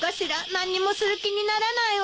何にもする気にならないわ。